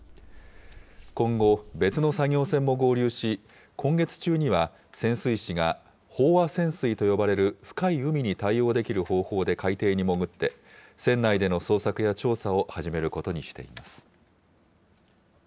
今後、別の作業船も合流し、今月中には、潜水士が飽和潜水と呼ばれる深い海に対応できる方法で海底に潜って、船内での捜索や調査を始めることにしています。